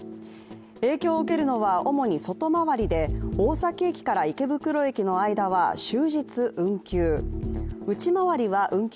影響を受けるのは主に外回りで大崎駅から池袋駅の間は終日運休。